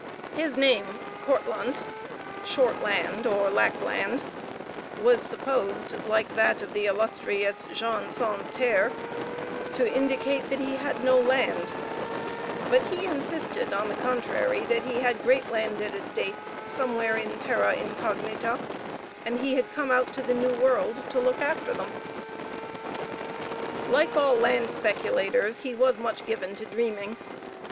His name Kortlandt (Shortland or Lackland) was supposed, like that of the illustrious Jean Sansterre, to indicate that he had no land; but he insisted, on the contrary, that he had great landed estates somewhere in Terra Incognita; and he had come out to the new world to look after them. Like all land speculators, he was much given to dreaming.